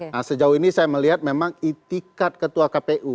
nah sejauh ini saya melihat memang itikat ketua kpu